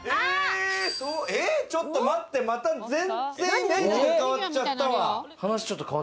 ちょっと待って、また全然イメージが変わっちゃったわ。